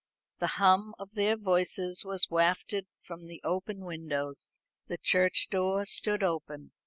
The hum of their voices was wafted from the open windows. The church door stood open.